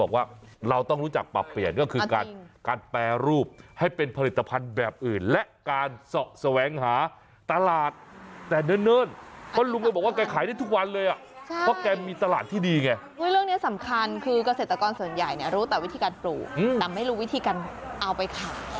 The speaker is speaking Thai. การทานแล้วเข้าไปเด็ดลำไยถือเด็กมันหรือยนต์ขึ้นไปเรื่องนี้สำคัญคือกเศรษฐกรส่วนใหญ่แค่วิทยาการปลูกแต่ไม่รู้วิทยาการเอาไปขาย